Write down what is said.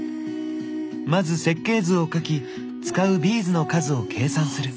まず設計図を書き使うビーズの数を計算する。